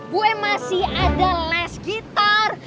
gue masih ada les gitar